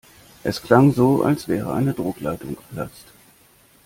Es klang so, als wäre eine Druckleitung geplatzt.